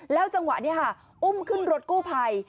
จังหวะนี้ค่ะอุ้มขึ้นรถกู้ภัย